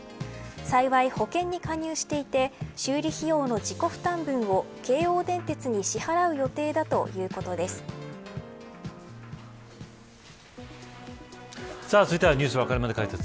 幸い、保険に加入していて修理費用の自己負担分を京王電鉄に支払続いてはニュースわかるまで解説。